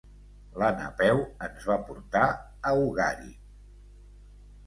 La Napeu ens va portar a Ugarit!